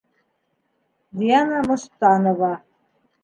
Диана МОСТАНОВА.